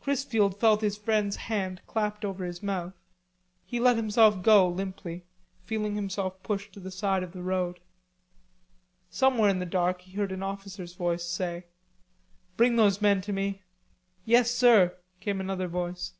Chrisfield felt his friend's hand clapped over his mouth. He let himself go limply, feeling himself pushed to the side of the road. Somewhere in the dark he heard an officer's voice say: "Bring those men to me." "Yes, sir," came another voice.